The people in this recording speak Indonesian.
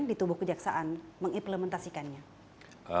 di tubuh kejaksaan mengimplementasikannya